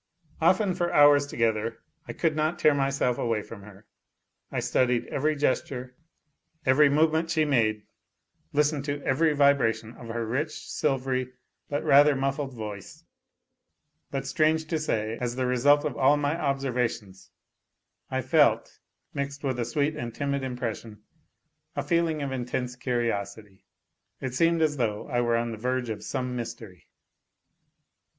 Often for hours together I could not tear myself away from her ; 1 si tidied every LOslnrv. ev< ry movement she made, listened to every vibration of her rich, silvery, but rather nmflled voice; but strange to say, as the result of all my observations, I felt, mixed with a sweet and timid impression, a feeling of intense A LITTLE HERO 231 curiosity. It seemed as though I were on the verge of some mystery.